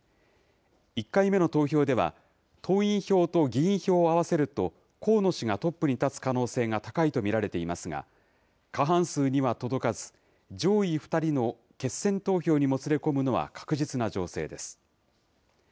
１回目の投票では、党員票と議員票を合わせると、河野氏がトップに立つ可能性が高いと見られていますが、過半数には届かず、上位２人の決選投票にもつれ込むのは確実な情勢です。